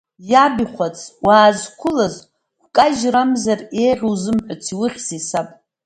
Иабихәац, уаазқәылаз гәкажьгамзар еиӷьу узымҳәац, иухьзеи, саб?!